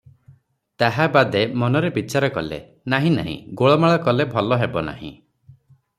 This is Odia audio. ତାହା ବାଦେ ମନରେ ବିଚାର କଲେ – “ନାହିଁ, ନାହିଁ, ଗୋଳମାଳ କଲେ ଭଲ ହେବ ନାହିଁ ।